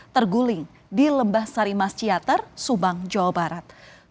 terguling di lembah sarimasciater subang jawa barat